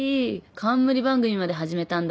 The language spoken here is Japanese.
冠番組まで始めたんだ